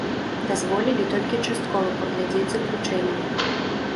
Дазволілі толькі часткова паглядзець заключэнне.